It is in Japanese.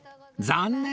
残念